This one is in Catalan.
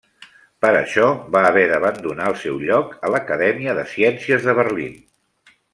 Per això va haver d'abandonar el seu lloc a l'Acadèmia de Ciències de Berlín.